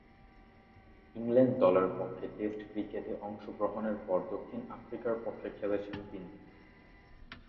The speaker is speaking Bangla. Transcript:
ইংল্যান্ড দলের পক্ষে টেস্ট ক্রিকেটে অংশগ্রহণের পর দক্ষিণ আফ্রিকার পক্ষে খেলেছেন তিনি।